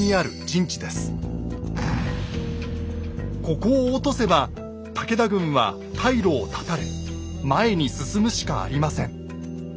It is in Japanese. ここを落とせば武田軍は退路を断たれ前に進むしかありません。